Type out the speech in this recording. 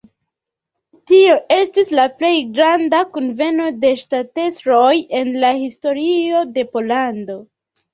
Tio estis la plej granda kunveno de ŝtatestroj en la historio de Pollando.